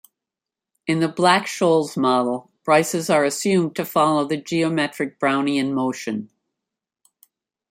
In the Black-Scholes model, prices are assumed to follow the geometric Brownian motion.